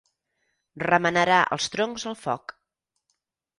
Remenarà els troncs al foc.